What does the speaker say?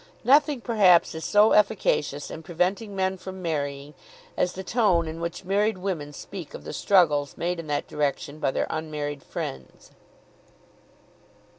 Nothing perhaps is so efficacious in preventing men from marrying as the tone in which married women speak of the struggles made in that direction by their unmarried friends.